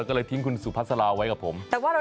ก็เลยทิ้งคุณสุภาษาลาไว้กับผม